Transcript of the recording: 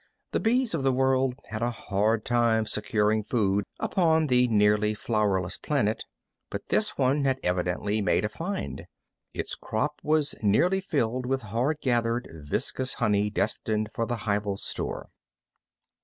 The bees of the world had a hard time securing food upon the nearly flowerless planet, but this one had evidently made a find. Its crop was nearly filled with hard gathered, viscous honey destined for the hival store.